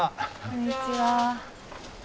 こんにちは。